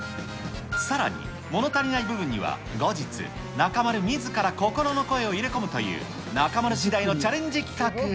さらに、もの足りない部分には後日、中丸みずから心の声を入れ込むという、中丸しだいのチャレンジ企画。